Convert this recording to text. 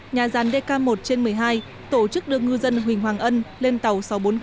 nhà ràn dk một trên một mươi hai tổ chức đưa ngư dân huỳnh hoàng ân lên tàu sáu trăm bốn mươi